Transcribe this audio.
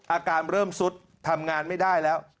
อาการเริ่มสุดทำงานไม่ได้แล้ว